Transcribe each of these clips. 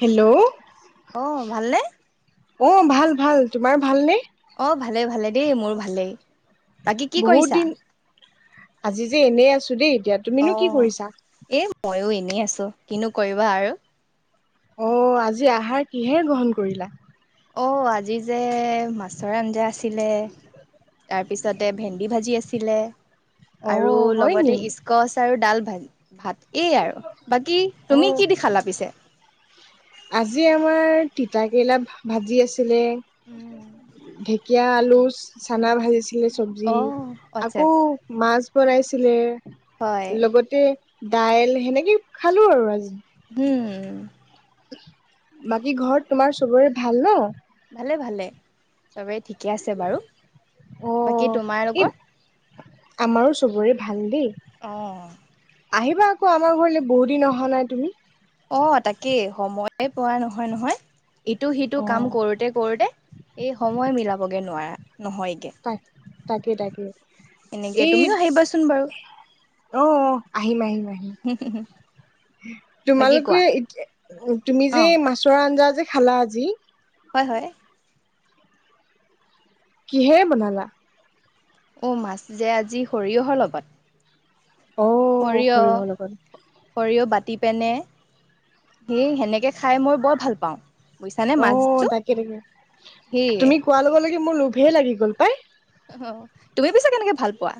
Hello আহ ভালনে অ ভাল ভাল তোমাৰ ভাল নে অ ভালে ভালে দেই মোৰ ভালেই বাকী কি বহুত কৰিছা দিন আজি যে এনেই আছো দেই এতিয়া তুমিনো কি কৰিছা শুনি আছো কিনো কৰিবা আৰু অ আজি আহাৰ কিহেৰে গ্ৰহণ কৰিলা অ আজি যে মাছৰ আঞ্জা আছিলে তাৰপিছতে ভেন্দি ভাজি আছিলে অ আৰু হয় নি লগতে স্কচ আৰু ডাল তাৰ ভাত এই আৰু বাকী অ তুমি কি দি খালা পিছে তিতা কেৰেলা ভাজি আছে পিলে ঢেকীয়া আলু চানা ভাজিছো চব্জি অ আচ্ছা আকৌ আচ্ছা মাছ কৰাইছিলে হয় লগতে দাইল সেনেকে খালো আৰু আজি উম বাকী ঘৰত তোমাৰ চবৰে ভাল ন ভালে ভালে চবেই ঠিকে আছে বাৰু অ বাকী এই তোমাৰালোকৰ আমাৰো চবৰে ভাল দেই আহ আহিবা আকৌ আমাৰ ঘৰলৈ বহুত দিন অহা নাই তুমি অ তাকেই সময়ে পোৱা নহয় নহয় ইটো সিটো অ'। কাম কৰোতে কৰোতে এই সময় মিলাবগে নোৱাৰা নহয়গে তাক তাকে তাকে এনেকে এই তুমিও আহিবাচোন বাৰু অ' অহ', আহিম আহিম আহিম বাকী কোৱা তোমালোকে এতিয়া তুমি অ যে মাছৰ আঞ্জা কি খালা আজি? হয় হয় কিহেৰে বনালা? অ', মাছ যে আজি সৰিয়হৰ লগত অ', সৰিয়হ সৰিয়হৰ লগত সৰিয়হ বাত টি পেনে এই সেনেকে খাই মই বৰ ভাল পাওঁ। বুজিছানে অ', মাছটো তাকে তাকে সেয়ে তুমি কোৱা লগে লগে মোৰ লোভে লাগি গ'ল পাই। অ‌ তুমি পিছে কেনেকে ভাল পোৱা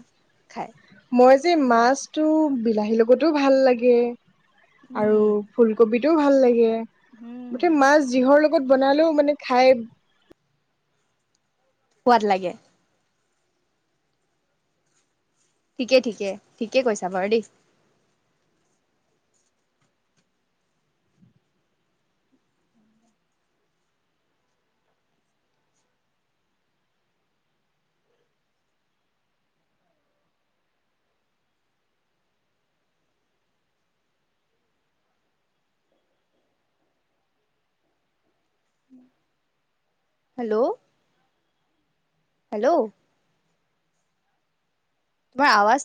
খায়? মই যে মাছটো বিলাহীৰ লগতো ভাল লাগে আৰু উম ফুলকবি টোও ভাল লাগে উম গোটেই মাছ যিহৰ লগত লগত বনালেও মানে খাই সোৱাদ লাগে ঠিকে ঠিকে ঠিকেই কৈছা বাৰু দেই। হেল্ল' হেল্ল' তোমাৰ আৱাজ